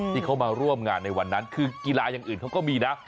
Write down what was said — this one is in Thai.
ที่เขามาร่วมงานในวันนั้นคือกีฬาอย่างอื่นเขาก็มีนะ